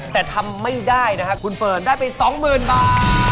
แต่ทำไม่ได้นะครับคุณเฟิร์นได้ไป๒๐๐๐บาท